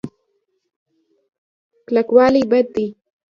کلکوالی بد دی.